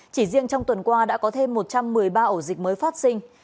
chỉ riêng trong tuần qua đã có thêm một trăm một mươi ba ổ dịch mới phát sinh